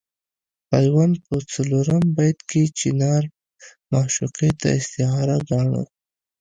پیوند په څلورم بیت کې چنار معشوقې ته استعاره ګاڼه.